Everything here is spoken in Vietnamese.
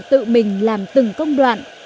tự mình làm từng công đoạn